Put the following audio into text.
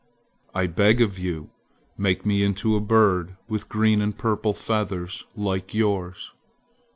"I beg of you make me into a bird with green and purple feathers like yours!"